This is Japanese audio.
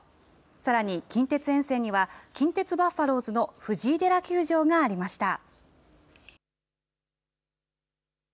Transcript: さらに近鉄沿線には、近鉄バファローズの藤井寺球場がありました。